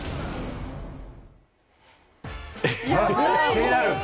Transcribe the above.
気になる。